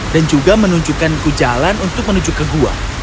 dan juga menunjukkan ku jalan untuk menuju ke gua